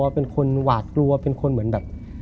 เป็นคนหวาดกลัวเป็นคนเหมือนแบบ